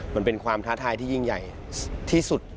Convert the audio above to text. มันเป็นความท้าทายที่ยิ่งใหญ่ที่สุด